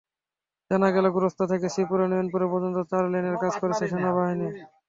জানা গেল, চৌরাস্তা থেকে শ্রীপুরের নয়নপুর পর্যন্ত চার লেনের কাজ করেছে সেনাবাহিনী।